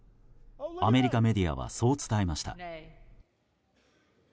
アメリカメディアはそう伝えました。